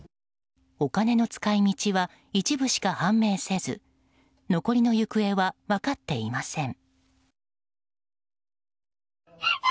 お金の使い道は一部しか判明せず残りの行方は分かっていません。